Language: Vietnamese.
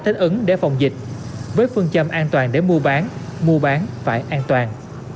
thích ứng để phòng dịch với phương châm an toàn để mua bán mua bán phải an toàn